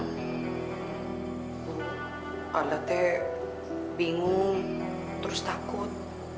bu alatnya bingung terus takut